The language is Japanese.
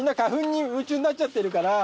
になっちゃってるから。